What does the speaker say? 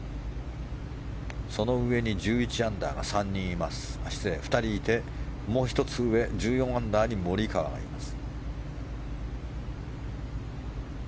その上に１１アンダーが２人いてもう１つ上、１４アンダーにモリカワがいます。